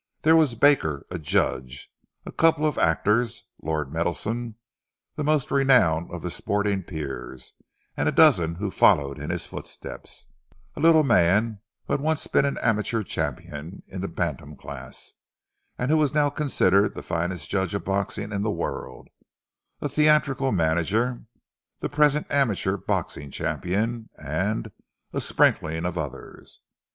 There was Baker, a judge, a couple of actors, Lord Meadowson, the most renowned of sporting peers, and a dozen who followed in his footsteps; a little man who had once been amateur champion in the bantam class, and who was now considered the finest judge of boxing in the world; a theatrical manager, the present amateur boxing champion, and a sprinkling of others.